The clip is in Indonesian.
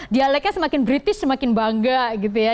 dialeknya semakin british semakin bangga gitu ya